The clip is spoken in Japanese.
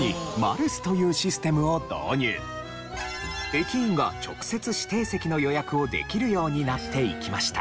駅員が直接指定席の予約をできるようになっていきました。